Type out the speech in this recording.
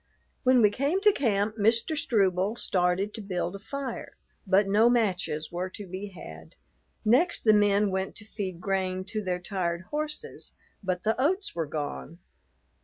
When we came to camp, Mr. Struble started to build a fire; but no matches were to be had. Next, the men went to feed grain to their tired horses, but the oats were gone.